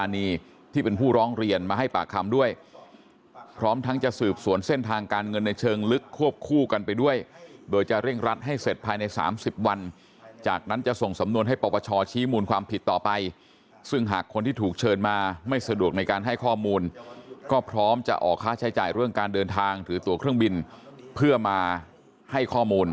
นี้เป็นคำยืนยันของนายวราวุฒิศิลปะอาชารัฐมนตรีว่าการกระทรวงทรัพยากรธรมชาติและส่วนสิ่งแวดล้อม